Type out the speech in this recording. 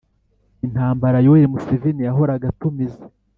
intambara.yoweri museveni yahoraga atumiza